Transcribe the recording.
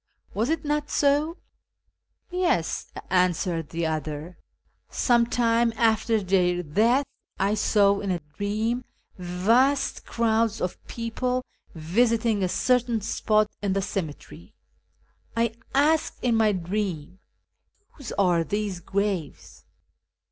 Was it not so ?"" Yes," answered the other, " some time after tlieir death I saw in a dream vast crowds of people visiting a certain spot in the cemetery. I asked in my dream, ' Whose are these graves